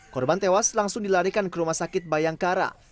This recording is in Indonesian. korban tewas langsung dilarikan ke rumah sakit bayangkara